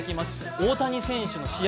大谷選手の試合